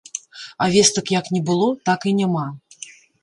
А вестак як не было, так і няма.